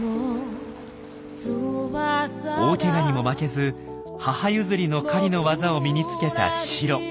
大けがにも負けず母譲りの狩りの技を身につけたシロ。